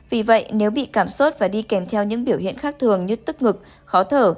vì vậy nếu bị cảm sốt và đi kèm theo những biểu hiện khác thường như tức ngực khó thở